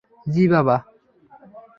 জি, বাবা।